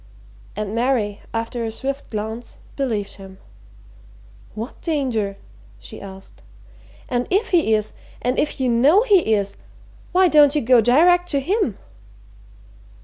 And Mary, after a swift glance, believed him. "What danger?" she asked. "And if he is, and if you know he is why don't you go direct to him?"